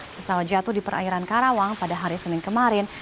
pesawat jatuh di perairan karawang pada hari senin kemarin